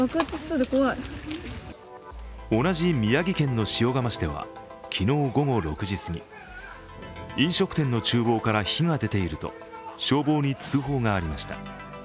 同じ宮城県の塩竈市では昨日午後６時すぎ、飲食店のちゅう房から火が出ていると消防に通報がありました。